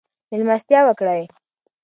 مېلمستیا وکړئ.